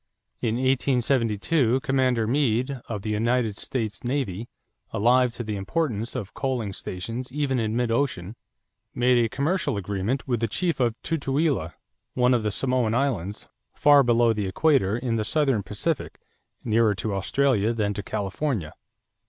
In 1872 Commander Meade, of the United States navy, alive to the importance of coaling stations even in mid ocean, made a commercial agreement with the chief of Tutuila, one of the Samoan Islands, far below the equator, in the southern Pacific, nearer to Australia than to California.